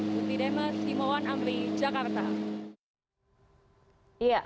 bukti demes imawan amri jakarta